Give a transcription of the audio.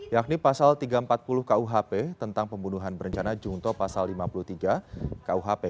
yakni pasal tiga ratus empat puluh kuhp tentang pembunuhan berencana jungto pasal lima puluh tiga kuhp